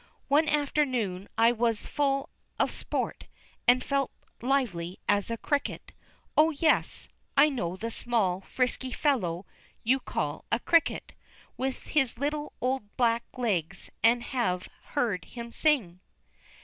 One afternoon I was full of sport, and felt lively as a cricket. Oh, yes, I know the small, frisky fellow you call a cricket, with his little old black legs, and have heard him sing.